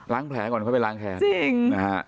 ล้างแผลก่อนก็ไปล้างแค้นจริง